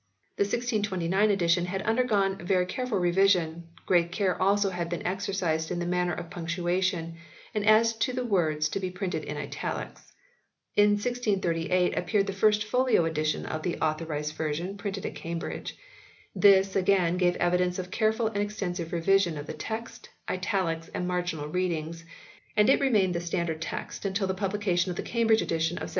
The 1629 edition had undergone very careful re vision > great care also had been exercised in the matter of punctua tion and as to the words to be printed in italics. In 1638 appeared the first folio edition of the "Author ised Version" printed at Cambridge. This again gave evidence of careful and extensive revision of the text, italics, and marginal readings, and it remained the standard text until the publication of the Cam bridge edition of 1762.